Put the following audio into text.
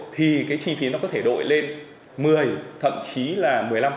thì cái chi phí nó có thể đội lên một mươi thậm chí là một mươi năm